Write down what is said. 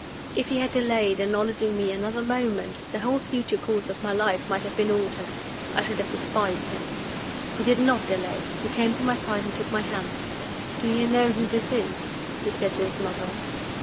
If he had delayed acknowledging me another moment, the whole future course of my life might have been altered I should have despised him. He did not delay. He came to my side and took my hand. "Do you know who this is?" he said to his mother.